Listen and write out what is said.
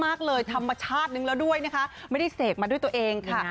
ธรรมชาตินึงแล้วด้วยนะคะไม่ได้เสกมาด้วยตัวเองค่ะ